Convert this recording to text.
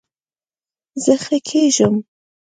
زه ښه کیږم